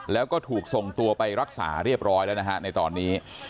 แล้วก็ถูกส่งตัวไปรักษาเรียบร้อยแล้วนะฮะในตอนนี้